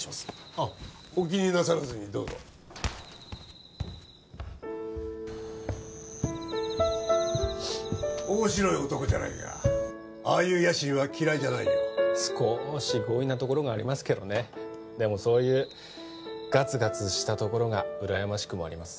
ああお気になさらずにどうぞ面白い男じゃないかああいう野心は嫌いじゃないよ少し強引なところがありますけどねでもそういうガツガツしたところがうらやましくもあります